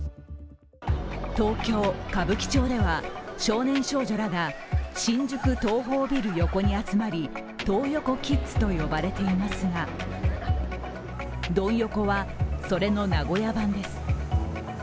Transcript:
東京・歌舞伎町では少年少女らが新宿東宝ビル横に集まりトー横キッズと呼ばれていますがドン横は、それの名古屋版です。